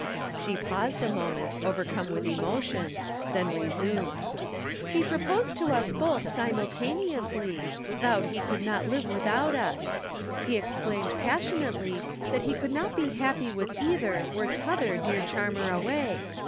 She paused a moment overcome with emotion, then resumed. "He proposed to us both simultaneously, vowed he could not live without us. He exclaimed passionately that he could not be happy with either were t'other dear charmer away.